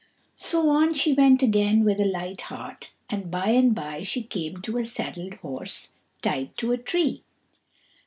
So on she went again with a light heart, and by and by she came to a saddled horse, tied to a tree.